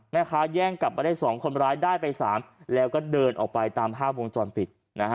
แม่ค้าแย่งกลับมาได้๒คนร้ายได้ไป๓แล้วก็เดินออกไปตามภาพวงจรปิด